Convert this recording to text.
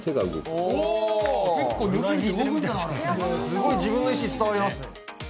すごい自分の意思伝わりますね